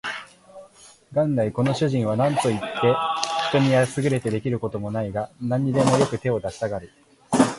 元来この主人は何といって人に優れて出来る事もないが、何にでもよく手を出したがる